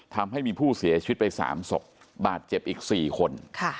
ทำให้มีผู้เสียชีวิตไป๓ศพบาดเจ็บอีก๔คน